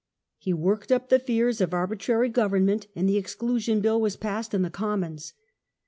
He worked up the fears of arbitrary government, and the Exclusion Bill was passed in the Commons.